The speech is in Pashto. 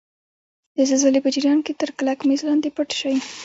د زلزلې په جریان کې تر کلک میز لاندې پټ شئ.